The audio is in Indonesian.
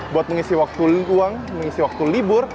buat mengisi waktu uang mengisi waktu libur